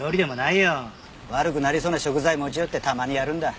悪くなりそうな食材持ち寄ってたまにやるんだ。